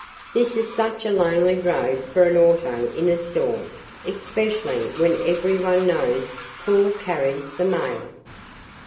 This is such a lonely road for an auto in a storm especially when every one knows Paul carries the mail."